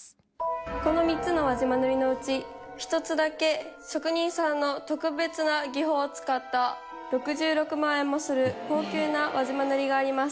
この３つの輪島塗のうち１つだけ職人さんの特別な技法を使った６６万円もする高級な輪島塗があります。